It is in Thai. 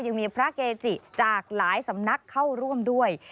ยังมีพระเกจิจากหลายสำนักเข้าร่วมด้วย